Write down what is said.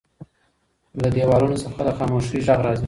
له دیوالونو څخه د خاموشۍ غږ راځي.